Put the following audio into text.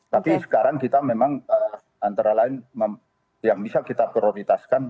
tapi sekarang kita memang antara lain yang bisa kita prioritaskan